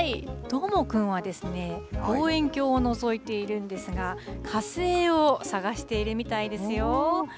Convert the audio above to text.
どーもくんはですね、望遠鏡をのぞいているんですが、火星を探しているみたいですよ。